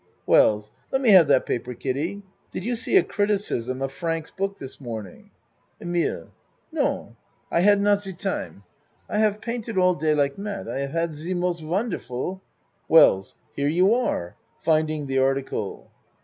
WELLS Let me have that paper, Kiddie. Did you see a criticism of Frank's book this morning? EMILE Non I had not ze time. I haf painted all day like mad. I have had ze most wonderful WELLS Here you are. (Finding the article.)